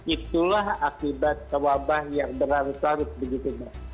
itulah akibat kewabah yang berharus harus begitu mbak